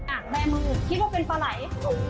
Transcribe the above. อ่ะแบบมือคิดว่าเป็นปลาไหล